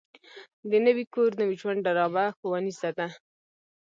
د نوي کور نوي ژوند ډرامه ښوونیزه ده.